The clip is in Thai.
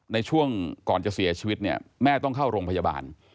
ในช่วงก่อนจะเสียชีวิตเนี่ยแม่ต้องเข้าโรงพยาบาล